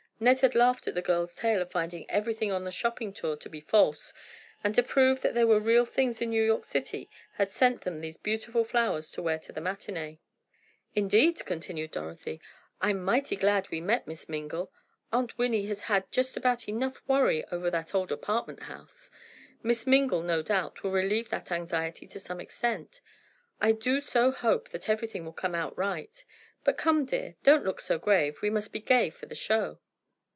Ned had laughed at the girls' tale of finding everything on the shopping tour to be false, and to prove that there were real things in New York City, had sent them these beautiful flowers to wear to the matinee. "Indeed," continued Dorothy, "I'm mighty glad we met Miss Mingle. Aunt Winnie has had just about enough worry over that old apartment house! Miss Mingle, no doubt, will relieve that anxiety to some extent. I do so hope that everything will come out right. But come, dear, don't look so grave, we must be gay for the show!"